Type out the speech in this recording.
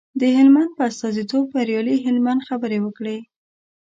د هلمند په استازیتوب بریالي هلمند خبرې وکړې.